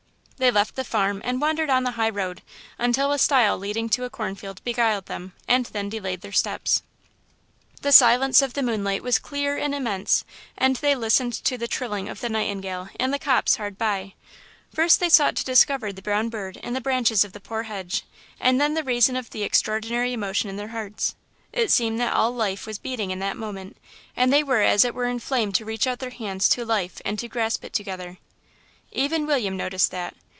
They left the farm and wandered on the high road until a stile leading to a cornfield beguiled and then delayed their steps. The silence of the moonlight was clear and immense; and they listened to the trilling of the nightingale in the copse hard by. First they sought to discover the brown bird in the branches of the poor hedge, and then the reason of the extraordinary emotion in their hearts. It seemed that all life was beating in that moment, and they were as it were inflamed to reach out their hands to life and to grasp it together. Even William noticed that.